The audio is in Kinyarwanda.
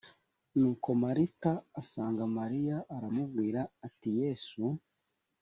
nuko marita asanga mariya aramubwira ati yesu